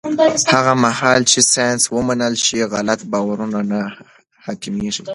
هغه مهال چې ساینس ومنل شي، غلط باورونه نه حاکمېږي.